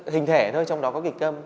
hình thể thôi trong đó có kỳ câm